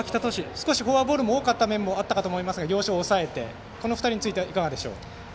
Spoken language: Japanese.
少しフォアボールが多かった面も多かったと思いますがこの２人についてはいかがでしょう。